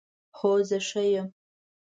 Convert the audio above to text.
هو، زه ښه یم